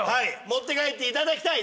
持って帰っていただきたい。